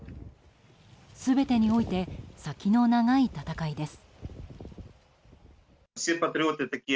全てに置いて先の長い闘いです。